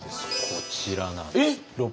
こちらなんです。